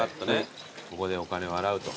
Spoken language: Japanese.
ここでお金を洗うと。